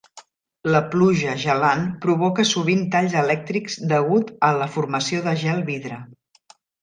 La pluja gelant provoca sovint talls elèctrics degut a la formació de gel vidre.